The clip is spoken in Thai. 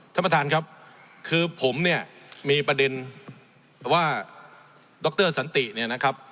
ท่านประธานครับคือผมเนี่ยมีประเด็นว่าดรสันติเนี่ยนะครับ